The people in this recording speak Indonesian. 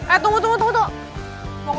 eh tunggu tunggu tunggu